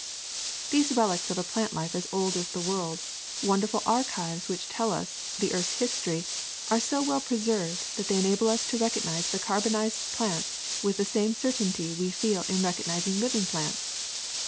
These relics of a plant life as old as the world, wonderful archives which tell us the earth's history, are so well preserv^ed that they enable us to recognize the carbonized plants with the same certainty we feel in recognizing living plants.